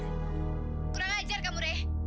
kamu kurang ajar ray